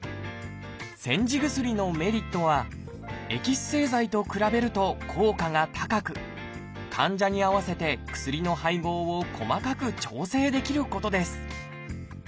煎じ薬のメリットはエキス製剤と比べると効果が高く患者に合わせて薬の配合を細かく調整できることです。